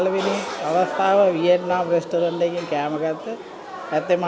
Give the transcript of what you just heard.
vì vậy chúng tôi đã thử thử